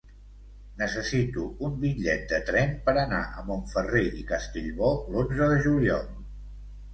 Necessito un bitllet de tren per anar a Montferrer i Castellbò l'onze de juliol.